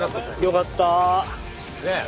よかった。